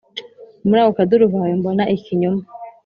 muri ako kaduruvayo, mbona ikinyoma